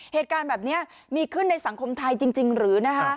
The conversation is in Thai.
เหตุการณ์แบบนี้มีขึ้นในสังคมไทยจริงหรือนะคะ